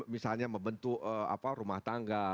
misalnya membentuk rumah tangga